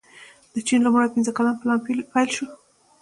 د چین لومړی پنځه کلن پلان پیل شو.